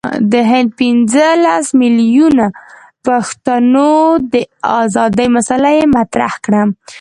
د هند پنځه لس میلیونه پښتنو د آزادی مسله یې مطرح کړه.